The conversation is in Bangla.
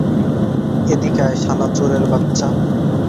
এদিকে আয়, শালা চোরের বাচ্চা!